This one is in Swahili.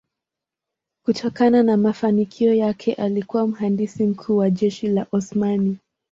Kutokana na mafanikio yake alikuwa mhandisi mkuu wa jeshi la Osmani.